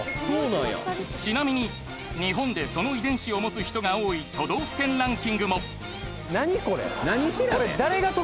ちなみに日本でその遺伝子を持つ人が多い都道府県ランキングも何調べ？